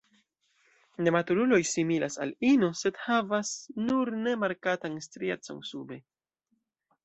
Nematuruloj similas al ino, sed havas nur ne markatan striecon sube.